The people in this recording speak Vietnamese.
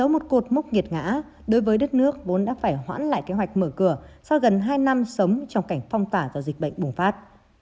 một cột mốc nghiệt ngã đối với đất nước vốn đã phải hoãn lại kế hoạch mở cửa sau gần hai năm sống trong cảnh phong tỏa do dịch bệnh bùng phát